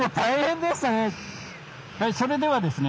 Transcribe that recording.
それではですね